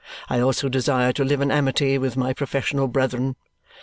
I also desire to live in amity with my professional brethren.